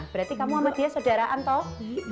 berarti kamu sama dia saudaraan toh